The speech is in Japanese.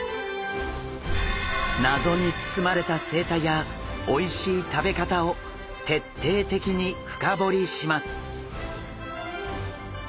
謎に包まれた生態やおいしい食べ方を徹底的に深掘りします！